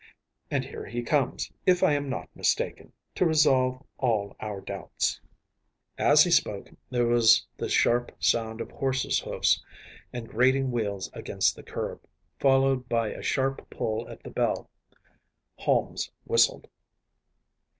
And here he comes, if I am not mistaken, to resolve all our doubts.‚ÄĚ As he spoke there was the sharp sound of horses’ hoofs and grating wheels against the curb, followed by a sharp pull at the bell. Holmes whistled.